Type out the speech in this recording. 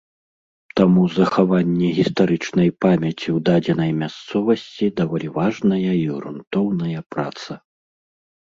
Таму захаванне гістарычнай памяці ў дадзенай мясцовасці даволі важная і грунтоўная праца.